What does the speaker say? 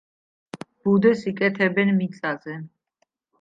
ბუდეს იკეთებენ მიწაზე.